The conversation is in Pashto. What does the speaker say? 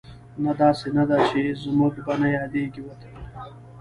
نه، داسې نه ده چې زموږ به نه یادېږي وطن